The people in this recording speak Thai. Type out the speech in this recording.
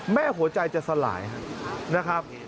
หัวใจจะสลายนะครับ